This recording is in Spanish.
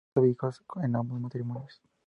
No tuvo hijos en ambos matrimonios.